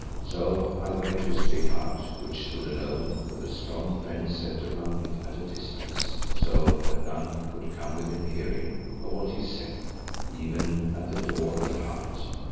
So I went to his big hut which stood alone with a strong fence set round it at a distance, so that none could come within hearing of what was said, even at the door of the hut.